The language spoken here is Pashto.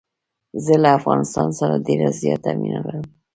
زه له افغانستان سره ډېره زیاته مینه لرم.